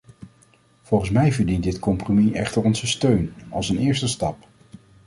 Volgens mij verdient dit compromis echter onze steun, als een eerste stap.